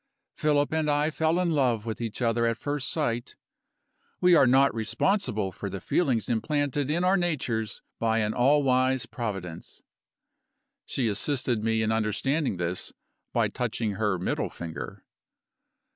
"Philip and I fell in love with each other at first sight we are not responsible for the feelings implanted in our natures by an all wise Providence." She assisted me in understanding this by touching her middle finger.